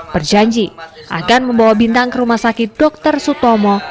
berjanji akan membawa bintang ke rumah sakit dr sutomo